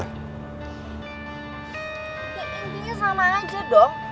intinya sama aja dong